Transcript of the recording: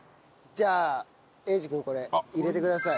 じゃあ英二君これ入れてください。